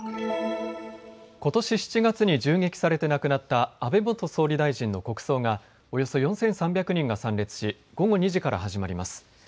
ことし７月に銃撃されて亡くなった安倍元総理大臣の国葬がおよそ４３００人が参列し午後２時から始まります。